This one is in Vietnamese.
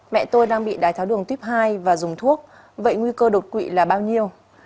mẹ tôi đang bị đái tháo đường tuyếp hai và dùng thuốc vậy nguy cơ đột quỵ là bao nhiêu